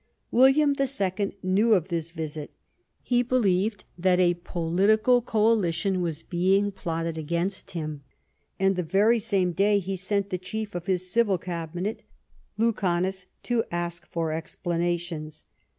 William II knew of this visit ; he believed that a political coalition was being plotted against him there, and the very same day he sent the Chief of his Civil Cabinet, Lucanus, to ask for explanations.